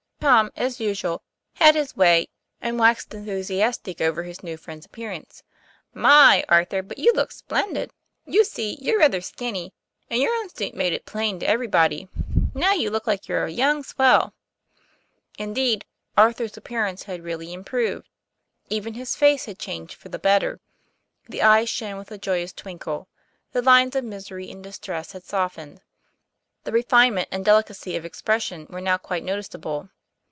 Tom, as usual, had his way, and waxed enthusias tic over his new friend's appearance. "My! Arthur, but you look splendid. You see, you're rather skinny, and your own suit made it plain to everybody. Now you look like a young swell." Indeed, Arthur's appearance had really improved. Even his face had changed for the better. The eyes shone with a joyous twinkle; the lines of misery and distress had softened; the refinement and delicacy of expression were now quite noticeable.